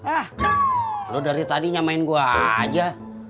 ah lo dari tadinya main gue aja